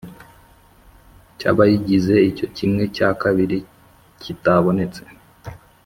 Cy abayigize iyo kimwe cya kabiri kitabonetse